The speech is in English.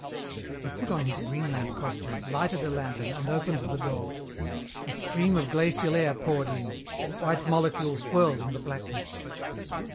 He put on his Greenland costume, lighted a lantern, and opened the door. A stream of glacial air poured in. White molecules whirled in the blackness.